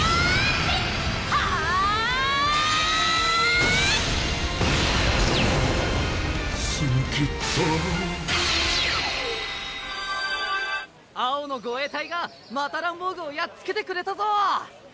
スミキッタ青の護衛隊がまたランボーグをやっつけてくれたぞ！